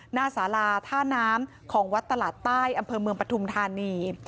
หน้าสาราท่าน้ำของวัดตลาดใต้อำเภอเมืองปฐุมธานี